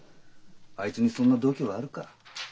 あいつにそんな度胸あるか。